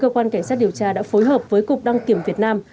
cơ quan cảnh sát điều tra đã phối hợp với cục đăng kiểm việt nam